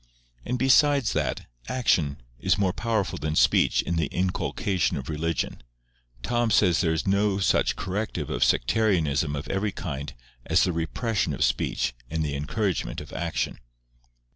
And besides that action is more powerful than speech in the inculcation of religion, Tom says there is no such corrective of sectarianism of every kind as the repression of speech and the encouragement of action.